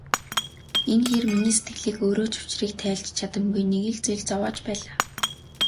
Энэ хэр миний сэтгэлийг өөрөө ч учрыг тайлж чадамгүй нэг л зүйл зовоож байлаа.